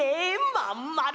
まんまる。